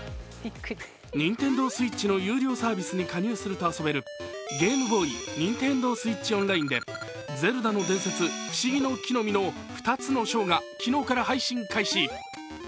ＮｉｎｔｅｎｄｏＳｗｉｔｃｈの有料サービスに加入すると遊べるゲームボーイＮｉｎｔｅｎｄｏＳｗｉｔｃｈＯｎｌｉｎｅで２つの章が昨日から配信開始。